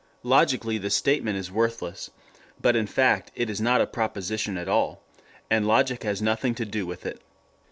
Logically the statement is worthless, but in fact it is not a proposition at all, and logic has nothing to do with it.